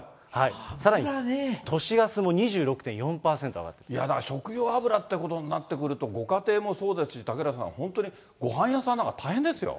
さらに都市ガスも２６．４％食用油っていうことになってくると、ご家庭もそうですし、嵩原さん、本当にごはん屋さんなんか大変ですよ。